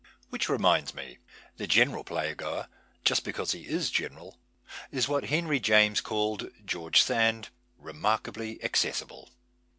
Which reminds me. The general playgoer just because he is general, is what Henry James called George Sand : remarkably accessible.